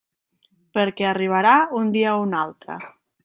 Perquè arribarà un dia o un altre.